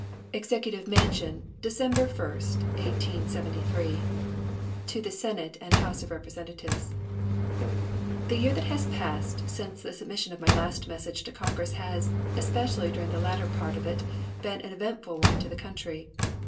EXECUTIVE MANSION, December 1, 1873. To the Senate and House of Representatives: The year that has passed since the submission of my last message to Congress has, especially during the latter part of it, been an eventful one to the country.